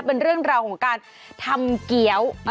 เป็นเรื่องราวของการทำเกี้ยว